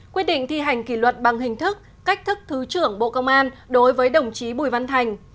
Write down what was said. quyết định thi hành kỷ luật bằng hình thức cách thức thứ trưởng bộ công an đối với đồng chí bùi văn thành